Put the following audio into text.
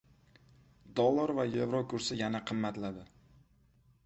Dollar va yevro kursi yana qimmatladi